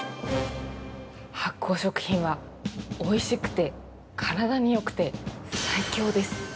◆発酵食品は、おいしくて体によくて、最強です。